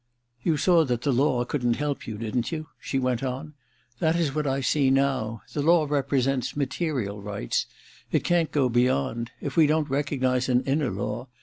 * You saw that the law couldn't help you — didn't you ?' she went on. * That is what I see now. The law represents material rights — it can't go beyond. If we don't recognize an inner law ...